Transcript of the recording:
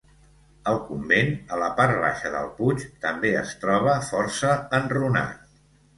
El convent, a la part baixa del puig, també es troba força enrunat.